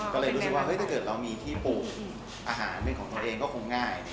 ก็เลยรู้สึกว่าถ้าเกิดเรามีที่ปลูกอาหารเป็นของตัวเองก็คงง่าย